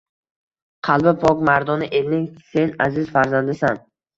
Qalbi pok mardona elning sen aziz farzandisan